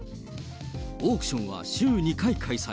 オークションは週２回開催。